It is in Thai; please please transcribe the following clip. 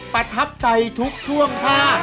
ประทับใจทุกท่วงท่า